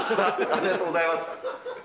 ありがとうございます。